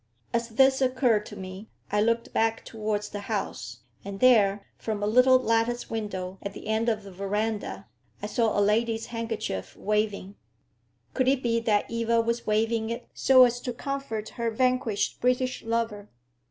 As this occurred to me, I looked back towards the house, and there, from a little lattice window at the end of the verandah, I saw a lady's handkerchief waving. Could it be that Eva was waving it so as to comfort her vanquished British lover?